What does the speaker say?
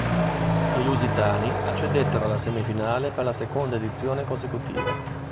I lusitani accedettero alla semifinale per la seconda edizione consecutiva.